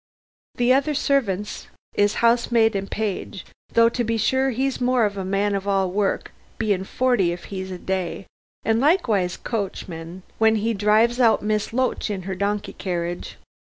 The other servants is housemaid and page, though to be sure he's more of a man of all work, being forty if he's a day, and likewise coachman, when he drives out Miss Loach in her donkey carriage.